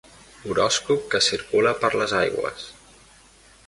Horòscop que circula per les aigües.